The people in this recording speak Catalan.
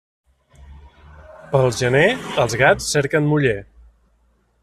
Pel gener els gats cerquen muller.